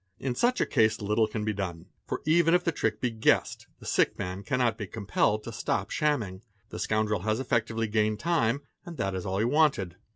In such a case little can be done, for even if the trick be guessed, the sick man cannot be compelled to stop shamming, the scoundrel has effectively gained time and that is all he wanted.